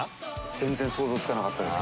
全然想像つかなかったです。